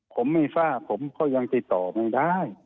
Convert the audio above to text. ผมไม่ทราบผมก็ยังติดต่อไม่ได้